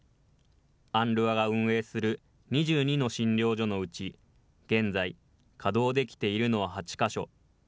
ＵＮＲＷＡが運営する２２の診療所のうち、現在稼働できているのは、８か所。